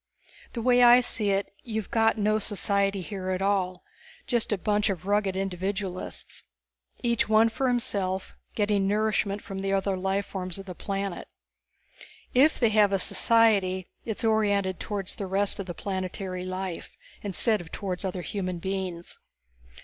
The way I see it, you've got no society here at all, just a bunch of rugged individualists. Each one for himself, getting nourishment from the other life forms of the planet. If they have a society, it is orientated towards the rest of the planetary life instead of towards other human beings.